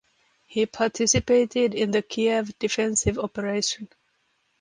He participated in the Kiev Defensive Operation.